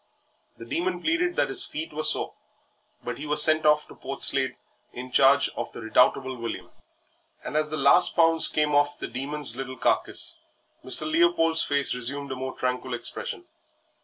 The Demon pleaded that his feet were sore, but he was sent off to Portslade in charge of the redoubtable William. And as the last pounds came off the Demon's little carcass Mr. Leopold's face resumed a more tranquil expression.